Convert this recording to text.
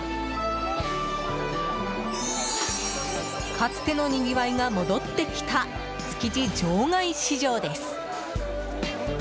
かつてのにぎわいが戻ってきた築地場外市場です。